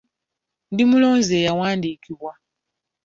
Ndi mulonzi eyawandiikibwa.